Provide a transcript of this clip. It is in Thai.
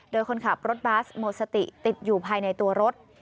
โดยคนขับรถบัสหมดสติติดอยู่ภายในตัวรถ